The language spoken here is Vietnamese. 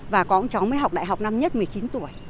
và có cháu mới học đại học năm nhất một mươi chín tuổi